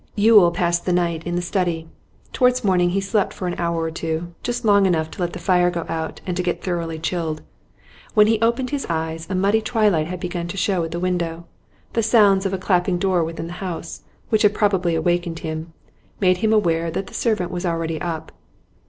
Yule passed the night in the study. Towards morning he slept for an hour or two, just long enough to let the fire go out and to get thoroughly chilled. When he opened his eyes a muddy twilight had begun to show at the window; the sounds of a clapping door within the house, which had probably awakened him, made him aware that the servant was already up.